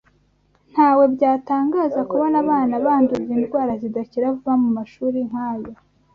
Ntawe byatangaza kubona abana bandurira indwara zidakira vuba mu mashuri nk’ayo